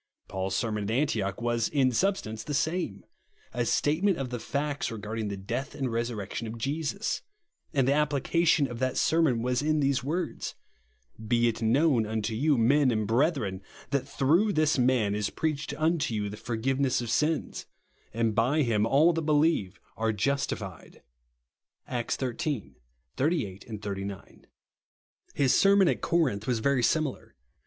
Paul's sermon at Antioch was, in substance the same, — a statement of the facts re garding the death and resurrection of Jesus ; and the application of that sermon was in these words, "Be it known unto you, men and brethren, that through this man is preached unto you the forgiveness of sins : and by him all that believe are justified," (Acts xiii. 38, 39). His sermon at Corinth was very similar.